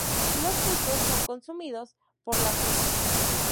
Los frutos son consumidos por la gente.